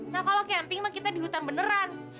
nah kalau camping mah kita di hutan beneran